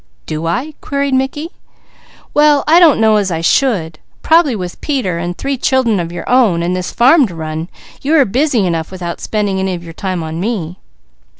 "Do I?" queried Mickey. "Well I don't know as I should. Probably with Peter, and three children of your own, and this farm to run, you are busy enough without spending any of your time on me."